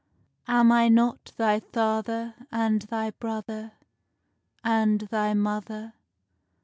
Am I not thy father and thy brother, And thy mother?